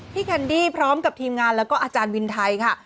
แคนดี้พร้อมกับทีมงานแล้วก็อาจารย์วินไทยค่ะ